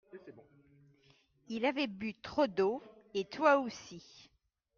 Il avait bu trop d’eau et toi aussi.